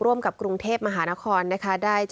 ร่วมกับกรุงเทพมวคลแฮนนวครนะครนะครได้